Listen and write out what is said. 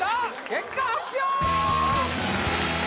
結果発表！